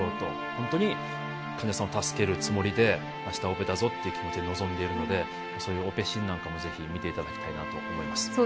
本当に患者さんを助けるつもりで明日オペだぞという気持ちで臨んでいるのでそういうオペシーンもぜひ見ていただきたいなと思います。